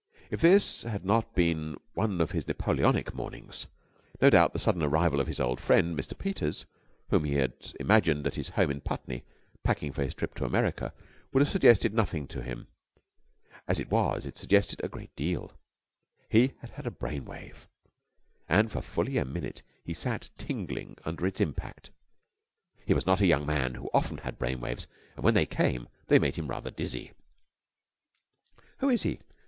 If this had not been one of his Napoleonic mornings, no doubt the sudden arrival of his old friend, Mr. Peters, whom he had imagined at his home in Putney packing for his trip to America, would have suggested nothing to him. As it was it suggested a great deal. He had had a brain wave, and for fully a minute he sat tingling under its impact. He was not a young man who often had brain waves, and, when they came, they made him rather dizzy. "Who is he?"